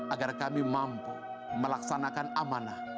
agar kami mampu melaksanakan amanah